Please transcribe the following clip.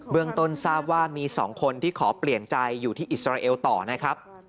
เมืองต้นทราบว่ามี๒คนที่ขอเปลี่ยนใจอยู่ที่อิสราเอลต่อนะครับ